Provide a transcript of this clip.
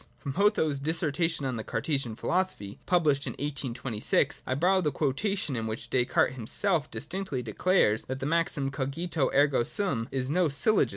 From Hotho's ' Dissertation on the Cartesian Philosophy' (published 1826), I borrow the quotation in which Descartes himself distinctly declares that the maxim 'Cogito, ergo sum,' is no syllogism.